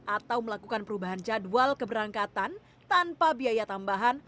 atau melakukan perubahan jadwal keberangkatan tanpa biaya tambahan